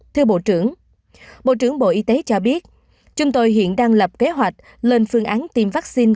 thưa bộ trưởng bộ trưởng bộ y tế cho biết chúng tôi hiện đang lập kế hoạch lên phương án tiêm vaccine